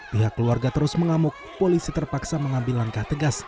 pihak keluarga terus mengamuk polisi terpaksa mengambil langkah tegas